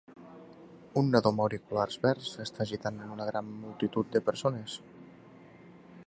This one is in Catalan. Un nadó amb auriculars verds està agitant en una gran multitud de persones.